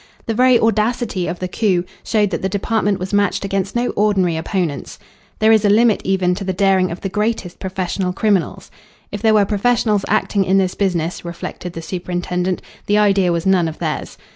The very audacity of the coup showed that the department was matched against no ordinary opponents. There is a limit even to the daring of the greatest professional criminals. If there were professionals acting in this business, reflected the superintendent, the idea was none of theirs.